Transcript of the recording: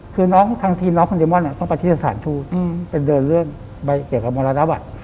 คือน้องทางทีน้องของดิมอนตอบต้องไปที่สถานทูตอลเป็นเดินเลื่อนไปแก่คำวรรณวัฒน์